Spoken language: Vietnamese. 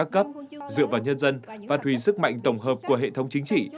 cấp dựa vào nhân dân và thùy sức mạnh tổng hợp của hệ thống chính trị